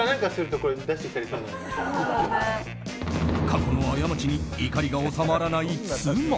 過去の過ちに怒りが収まらない妻。